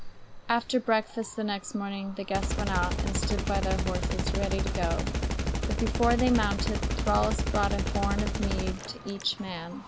After breakfast the next morning the guests went out and stood by their horses ready to go, but before they mounted, thralls brought a horn of mead to each man.